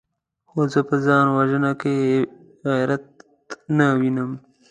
خو زه په ځان وژنه کې غيرت نه وينم!